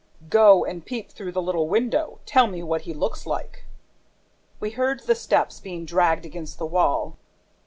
"Go and peep through the little window! Tell me what he looks like!" We heard the steps being dragged against the wall.